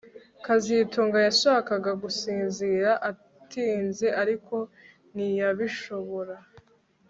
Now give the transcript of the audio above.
kazitunga yashakaga gusinzira atinze ariko ntiyabishobora